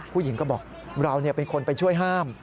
ผู้หญิงก็บอกเราเป็นคนไปช่วยห้าม